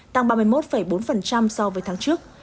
tăng ba mươi một bốn so với tháng trước